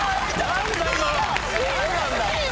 何なんだ